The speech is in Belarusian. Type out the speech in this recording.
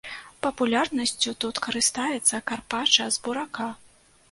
Папулярнасцю тут карыстаецца карпача з бурака.